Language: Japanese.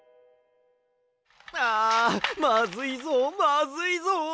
あまずいぞまずいぞ！